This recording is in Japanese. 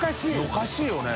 おかしいよね